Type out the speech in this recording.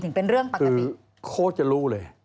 ถึงเป็นเรื่องปกติคือโคตรจะรู้เลย